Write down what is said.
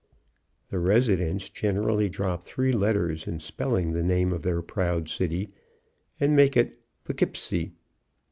The residents generally drop three letters in spelling the name of their proud city, and make it Po'keepsie.